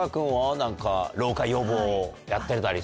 何か老化予防やってたりする？